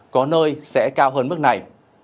có nơi sẽ cao hơn mức này